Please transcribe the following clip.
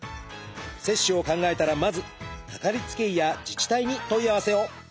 接種を考えたらまずかかりつけ医や自治体に問い合わせを。